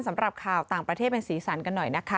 สำหรับข่าวต่างประเทศเป็นสีสันกันหน่อยนะคะ